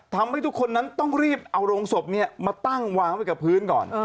ทำให้ทุกคนนั้นต้องรีบเอาโรงศพมาตั้งวางไว้กับพื้นก่อน